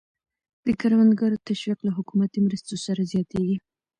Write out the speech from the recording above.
د کروندګرو تشویق له حکومتي مرستو سره زیاتېږي.